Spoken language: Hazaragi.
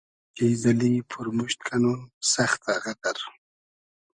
چیز اللی پورموشت کئنوم سئختۂ غئدئر